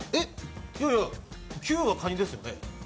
いやいや、「９」はかにですよね。